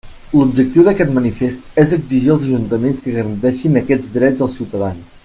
L'objectiu d'aquest manifest és exigir als ajuntaments que garanteixin aquests drets dels ciutadans.